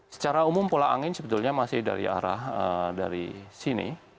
secara umum pola angin sebetulnya masih dari arah dari sini